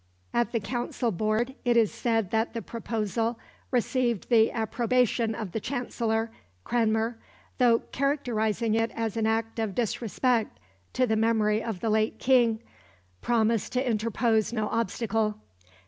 At the Council Board it is said that the proposal received the approbation of the Chancellor. Cranmer, though characterising it as an act of disrespect to the memory of the late King, promised to interpose no obstacle.